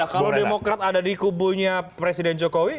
kalau demokrat ada di kubunya presiden jokowi